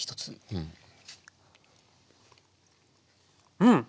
うん！